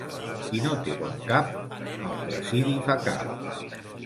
Qui no té bon cap, al presidi fa cap.